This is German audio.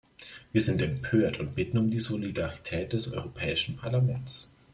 Wir sind empört und bitten um die Solidarität des Europäischen Parlaments.